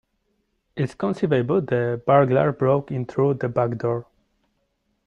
It is conceivable the burglar broke in through the back door.